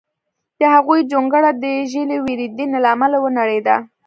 د هغوی جونګړه د ږلۍ وریدېنې له امله ونړېده